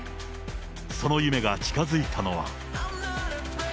その夢が近づいたのは。